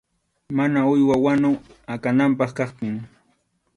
Mana uywa wanu akananpaq kaptin.